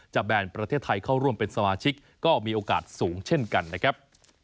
แบนประเทศไทยเข้าร่วมเป็นสมาชิกก็มีโอกาสสูงเช่นกันนะครับ